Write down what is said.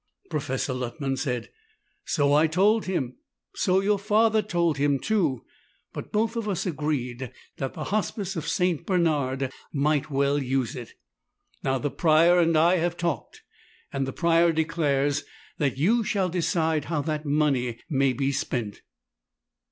Professor Luttman said, "So I told him, so your father told him, too, but both of us agreed that the Hospice of St. Bernard might well use it. Now the Prior and I have talked, and the Prior declares that you shall decide how that money may be spent."